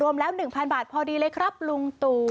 รวมแล้ว๑๐๐๐บาทพอดีเลยครับลุงตู